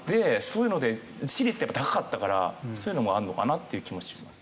そういうので私立って高かったからそういうのもあるのかなっていう気もします。